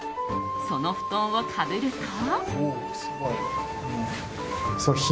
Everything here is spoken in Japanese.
その布団をかぶると。